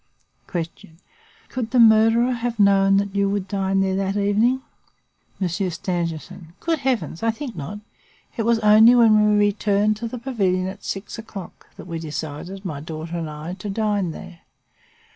"Q. Could the murderer have known that you would dine there that evening? "M. Stangerson. Good Heavens! I think not. It was only when we returned to the pavilion at six o'clock, that we decided, my daughter and I, to dine there.